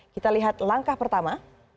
kita lihat langkah pertama